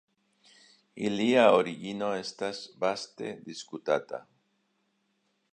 Ilia origino estas vaste diskutata.